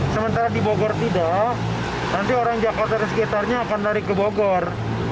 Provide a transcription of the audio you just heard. sementara di bogor tidak nanti orang jakarta dan sekitarnya akan lari ke bogor